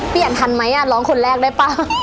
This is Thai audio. เปลี่ยนทันไหมอะร้องคนแรกได้ป่ะ